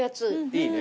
いいね。